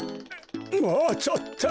もうちょっと！